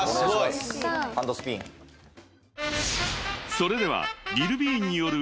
［それでは］